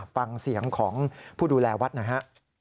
ฟังเสียงของผู้ดูแลวัดหน่อยฮะ